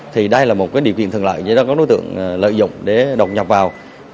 thì đây là một điều kiện thường lợi vì đó có đối tượng lợi dụng để độc nhập vào